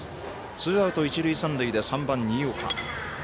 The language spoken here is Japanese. ツーアウト、一塁三塁で３番、新岡。